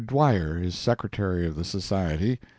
Dyer is Secretary of the Society.